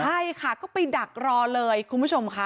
ใช่ค่ะก็ไปดักรอเลยคุณผู้ชมค่ะ